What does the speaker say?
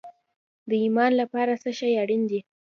د ایمان لپاره څه شی اړین دی؟